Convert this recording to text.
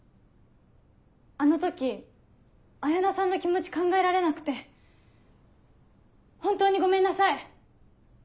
あの時彩菜さんの気持ち考えられなくて本当にごめんなさい。